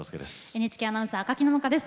ＮＨＫアナウンサー赤木野々花です。